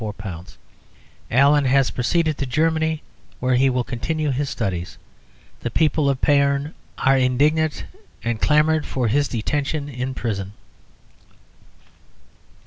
Allen has proceeded to Germany, where he will continue his studies. The people of Payerne are indignant, and clamoured for his detention in prison."